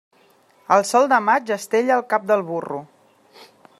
El sol de maig estella el cap del burro.